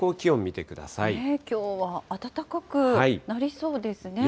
きょうは暖かくなりそうですね。